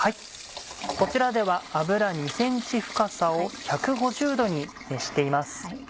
こちらでは油２ｃｍ深さを１５０℃に熱しています。